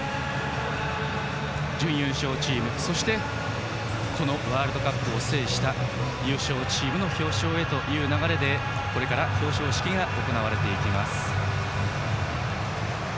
準優勝チームそしてワールドカップを制した優勝チームの表彰へという流れでこれから表彰式が行われていきます。